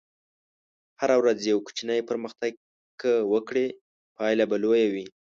هره ورځ یو کوچنی پرمختګ که وکړې، پایله به لویه وي.